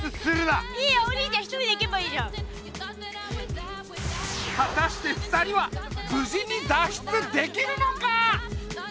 はたして二人はぶじに脱出できるのか？